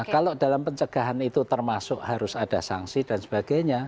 kalau dalam pencegahan itu termasuk harus ada sanksi dan sebagainya